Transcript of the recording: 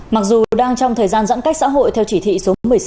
mặc dù đang trong thời gian giãn cách xã hội theo chỉ thị số một mươi sáu